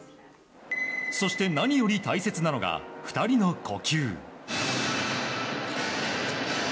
そして、何より大切なのが２人の呼吸。